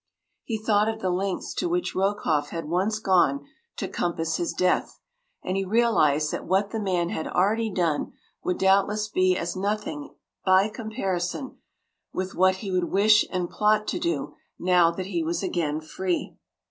He thought of the lengths to which Rokoff had once gone to compass his death, and he realized that what the man had already done would doubtless be as nothing by comparison with what he would wish and plot to do now that he was again free.